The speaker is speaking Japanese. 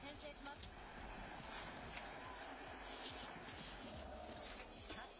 しかし。